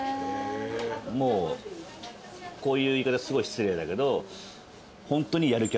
もうこういう言い方はすごい失礼だけど。